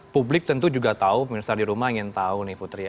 publik tentu juga tahu pemirsa di rumah ingin tahu nih putri ya